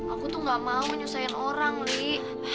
aku tuh gak mau nyusahin orang li